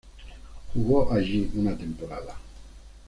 Jugó allí una temporada.